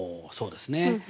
そうですね。